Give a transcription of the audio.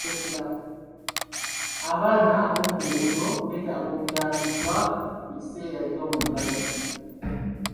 Abaana b'oku nguudo beetaaga okuyambibwa mu kiseera ky'omuggalo.